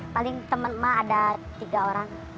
paling teman emak ada tiga orang